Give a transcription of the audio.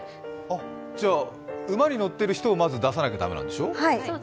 じゃあ、馬に乗ってる人をまず出さなきゃ駄目なんでしょ。